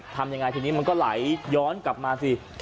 ทำยังไงทีนี้มันก็ไหลย้อนกลับมาสิ